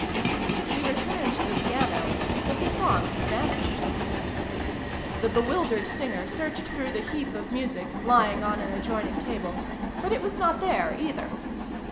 He returned to the piano, but the song had vanished. The bewildered singer searched through the heap of music lying on an adjoining table, but it was not there, either.